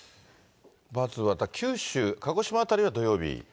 まずは、九州、鹿児島辺りは土曜日、日曜日。